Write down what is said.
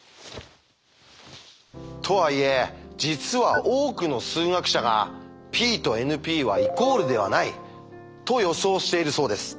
とはいえ実は多くの数学者がＰとＮＰはイコールではないと予想しているそうです。